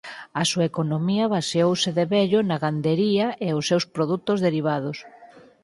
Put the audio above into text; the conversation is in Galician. A súa economía baseouse de vello na gandería e os seus produtos derivados.